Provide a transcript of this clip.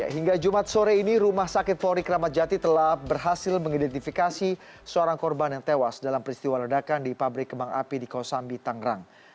hingga jumat sore ini rumah sakit polri kramat jati telah berhasil mengidentifikasi seorang korban yang tewas dalam peristiwa ledakan di pabrik kembang api di kosambi tangerang